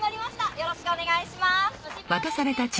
よろしくお願いします。